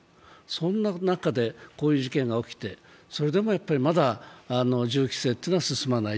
そんな中でこういう事件が起きて、それでも、まだ銃規制というのは進まない。